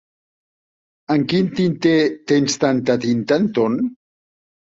En quin tinter tens tanta tinta, Anton?